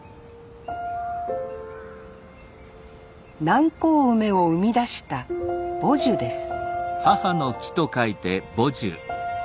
南高梅を生み出した母樹です